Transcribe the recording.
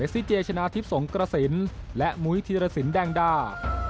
ซิเจชนะทิพย์สงกระสินและมุยธีรสินแดงดา